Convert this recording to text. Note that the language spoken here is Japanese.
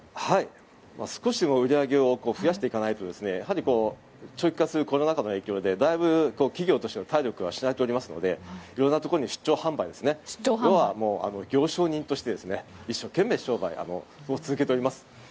少しでも売り上げを増やしていかないと長期化するコロナ禍の影響でだいぶ企業としての体力が失われておりますので色んなところに出張販売で行商人として一生懸命商売を続けております。